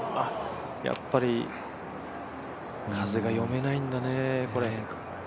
やっぱり風が読めないんだね、ここら辺。